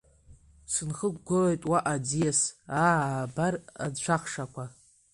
Сынхықәгылоит уаҟа аӡиас, аа, абар, анцәахшақәа!